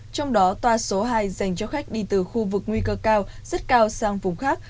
trong đó toa số hai dành cho khách đi từ khu vực nguy cơ cao rất cao sang vùng khác